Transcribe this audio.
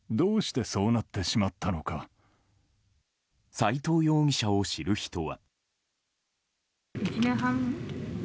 斎藤容疑者を知る人は。